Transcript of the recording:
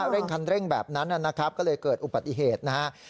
เร่งคันเร่งแบบนั้นนะครับก็เลยเกิดอุบัติเหตุนะครับ